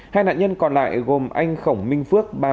hai nạn nhân còn lại gồm anh khổng minh phước